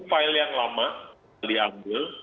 file yang lama diambil